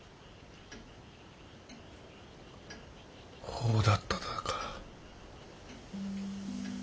ほうだっただか。